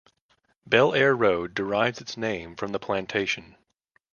Bell Air Road derives its name from the plantation.